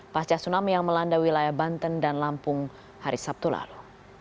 pasca tsunami yang melanda wilayah banten dan lampung hari sabtu lalu